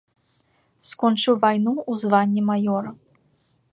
Скончыў вайну ў званні маёра.